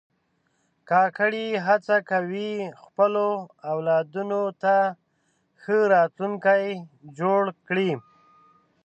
کاکړي هڅه کوي خپلو اولادونو ته ښه راتلونکی جوړ کړي.